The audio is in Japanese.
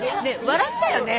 笑ったよね？